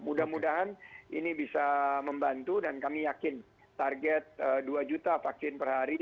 mudah mudahan ini bisa membantu dan kami yakin target dua juta vaksin per hari